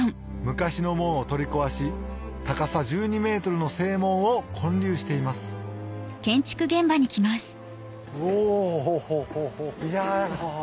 昔の門を取り壊し高さ１２ｍの正門を建立していますおホッホッホ。